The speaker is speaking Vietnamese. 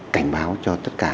cảnh báo cho tất cả